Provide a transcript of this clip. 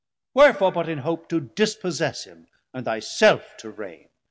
wherefore but in hope 960 To dispossess him, and thy self to reigne?